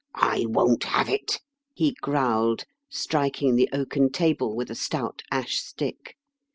"I won't have it!" he growled, striking the oaken table with a stont ash stick.